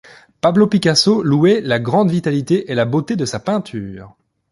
Pablo Picasso louait la grande vitalité et la beauté de sa peinture.